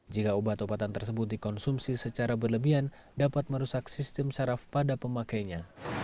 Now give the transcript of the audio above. jika obat obatan tersebut dikonsumsi secara berlebihan dapat merusak sistem saraf pada pemakainya